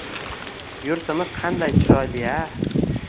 Yurtimiz qanday chiroyli-a